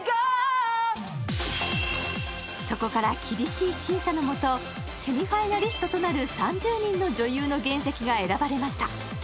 そこから厳しい審査の下、セミファイナリストとなる３０人の女優の原石が選ばれました。